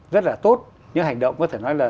rất là tốt những hành động có thể nói là